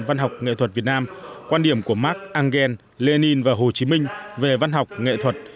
văn học nghệ thuật việt nam quan điểm của mark engel lenin và hồ chí minh về văn học nghệ thuật